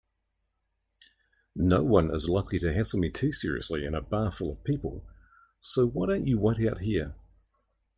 Noone is likely to hassle me too seriously in a bar full of people, so why don't you wait out here?